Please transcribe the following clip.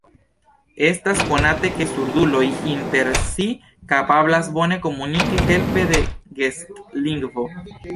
Estas konate, ke surduloj inter si kapablas bone komuniki helpe de gestlingvo.